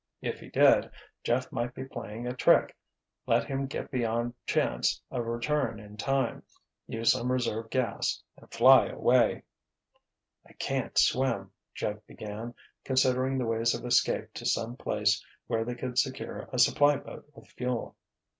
If he did, Jeff might be playing a trick, let him get beyond chance of return in time, use some reserve gas and fly away. "I can't swim," Jeff began, considering the ways of escape to some place where they could secure a supply boat with fuel.